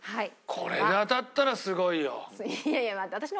これで当たったらすごいよ。